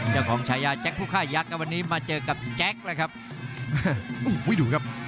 เจ้าของชายาแจ็คผู้ฆ่ายักษ์วันนี้มาเจอกับแจ็คนะครับ